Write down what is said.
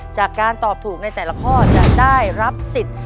จากการตอบถูกในแต่ละข้อจะได้รับสิทธิ์